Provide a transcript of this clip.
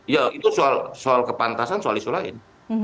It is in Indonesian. ya itu soal kepantasan soal isu lain